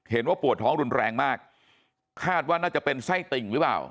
ว่าปวดท้องรุนแรงมากคาดว่าน่าจะเป็นไส้ติ่งหรือเปล่า